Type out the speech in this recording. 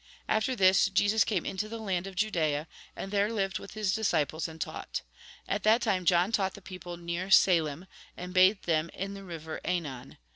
After this, Jesus came into the land of Judtea, and there lived with his disciples, and taught. At that time John taught the people near Salim, and bathed them in the river .^Enon.